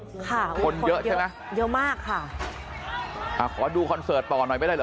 ค่ะคนเยอะใช่ไหมเยอะมากค่ะอ่าขอดูคอนเสิร์ตต่อหน่อยไม่ได้เหรอ